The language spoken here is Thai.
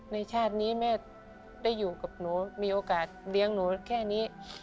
ชาตินี้แม่ได้อยู่กับหนูมีโอกาสเลี้ยงหนูแค่นี้